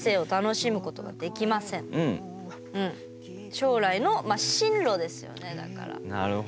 将来の進路ですよね、だから。